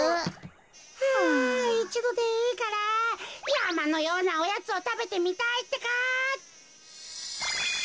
あいちどでいいからやまのようなおやつをたべてみたいってか。